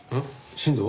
新藤？